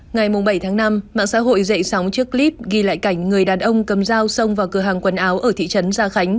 ngày bảy tháng năm mạng xã hội dậy sóng trước clip ghi lại cảnh người đàn ông cầm dao xông vào cửa hàng quần áo ở thị trấn gia khánh